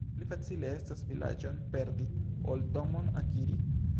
Pli facile estas vilaĝon perdi, ol domon akiri.